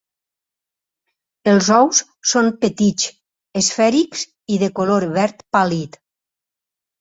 Els ous són petits, esfèrics i de color verd pàl·lid.